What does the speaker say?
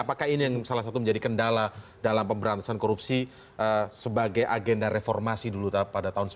apakah ini yang salah satu menjadi kendala dalam pemberantasan korupsi sebagai agenda reformasi dulu pada tahun seribu sembilan ratus sembilan puluh